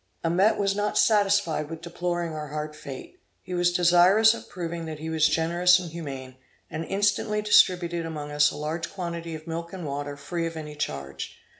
Amet was not satisfied with deploring our hard fate; he was desirous of proving that he was generous and humane, and instantly distributed among us a large quantity of milk and water free of any charge.